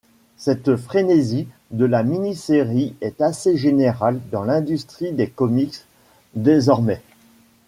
Cette frénésie de la mini série est assez générale dans l’industrie des comics désormais.